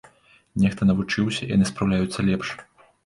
Нехта навучыўся, яны спраўляюцца лепш.